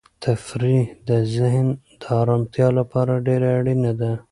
تفریح د ذهن د ارامتیا لپاره ډېره اړینه ده.